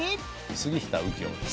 杉下右京です。